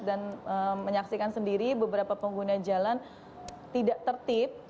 dan menyaksikan sendiri beberapa pengguna jalan tidak tertib